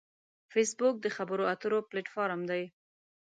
فېسبوک د خبرو اترو پلیټ فارم دی